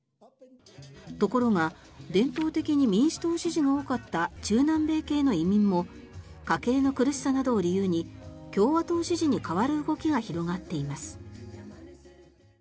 ところが伝統的に民主党支持が多かった中南米系の移民も家計の苦しさなどを理由に共和党支持に変わる動きが広がっています。